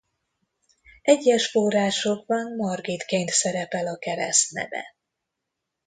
Egyes forrásokban Margitként szerepel a keresztneve.